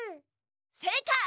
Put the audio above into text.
せいかい！